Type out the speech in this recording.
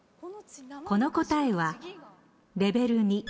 この答えはレベル２。